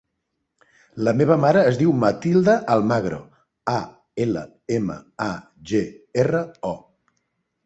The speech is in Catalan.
La meva mare es diu Matilda Almagro: a, ela, ema, a, ge, erra, o.